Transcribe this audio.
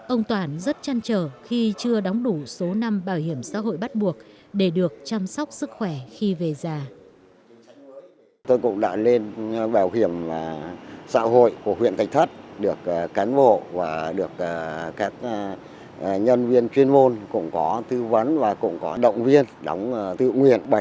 ông toàn rất chăn trở khi chưa đóng đủ số năm bảo hiểm xã hội bắt buộc để được chăm sóc sức khỏe khi về già